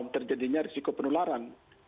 terjadinya risiko penularan